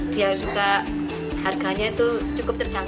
dia juga harganya cukup